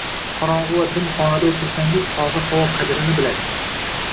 Qorong‘i va dim xonada o‘tirsangiz toza havo qadrini bilasiz.